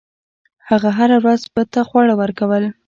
هغه هره ورځ بت ته خواړه ورکول.